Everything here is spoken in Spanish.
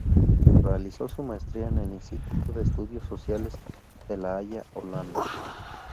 Realizó su maestría en el Instituto de Estudios Sociales de La Haya, Holanda.